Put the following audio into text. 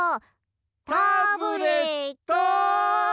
タブレットン！